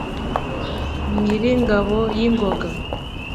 Nyiri ingabo y’ingoga,